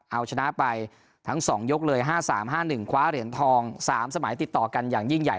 เอาชนะไปทั้ง๒ยกเลย๕๓๕๑คว้าเหรียญทอง๓สมัยติดต่อกันอย่างยิ่งใหญ่